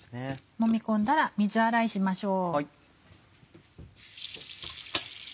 もみ込んだら水洗いしましょう。